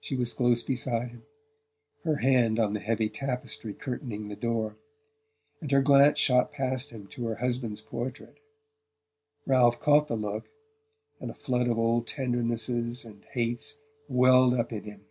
She was close beside him, her hand on the heavy tapestry curtaining the door; and her glance shot past him to her husband's portrait. Ralph caught the look, and a flood of old tendernesses and hates welled up in him.